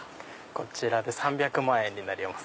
こちらで３００万円になります。